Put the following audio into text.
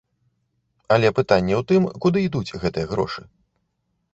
Але пытанне ў тым, куды ідуць гэтыя грошы?